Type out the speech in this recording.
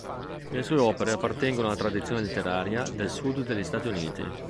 Le sue opere appartengono alla tradizione letteraria del sud degli Stati Uniti.